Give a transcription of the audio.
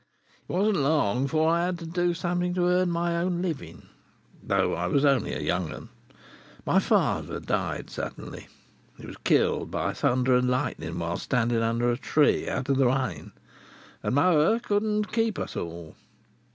It wasn't long before I had to do something to earn my own living, though I was only a young 'un. My father died suddenly—he was killed by thunder and lightning while standing under a tree out of the rain—and mother couldn't keep us all.